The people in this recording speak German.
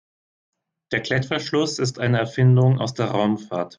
Der Klettverschluss ist eine Erfindung aus der Raumfahrt.